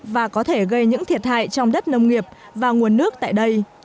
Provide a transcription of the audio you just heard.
và có thể gây những thiệt hại trong đất nông nghiệp và nguồn nước tại đây